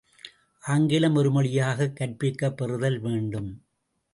ஆங்கிலம் ஒருமொழியாகக் கற்பிக்கப் பெறுதல் வேண்டும்.